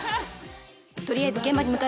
とりあえず現場に向かいます。